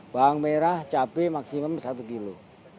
bawang merah cabai maksimum satu kilo